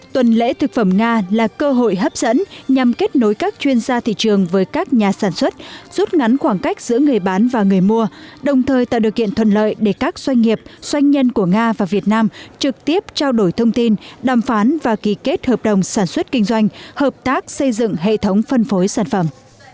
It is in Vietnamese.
tuần lễ thực phẩm nga là cơ hội hấp dẫn nhằm kết nối các chuyên gia thị trường với các nhà sản xuất rút ngắn khoảng cách giữa người bán và người mua đồng thời tạo điều kiện thuận lợi để các doanh nghiệp doanh nhân của nga và việt nam trực tiếp trao đổi thông tin đàm phán và ký kết hợp đồng sản xuất kinh doanh hợp tác xây dựng hệ thống phân phối sản phẩm